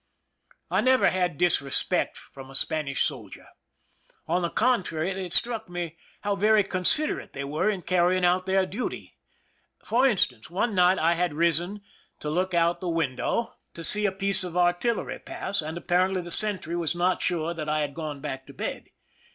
I never had disrespect from a Spanish soldier. On the contrary, it struck me how very considerate they were in carrying out their duty. For instance, one night I had risen to look out of the window to 252 PRISON LIFE THE SIEGE see a piece of artillery pass, and apparently tlie sentry was not sure that I had gone back to bed.